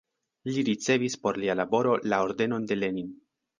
Li ricevis por lia laboro la Ordenon de Lenin.